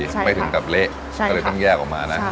ใช่ค่ะไม่ถึงแบบเละใช่ค่ะก็เลยต้องแยกออกมานะใช่ค่ะ